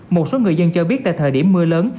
một số người dân cho biết tại thời điểm mưa lớn